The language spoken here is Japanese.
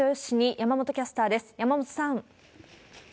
山本さん。